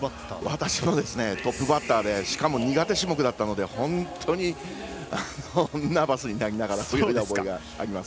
私はトップバッターでしかも苦手種目だったので本当にナーバスになりながら泳いだ思い出があります。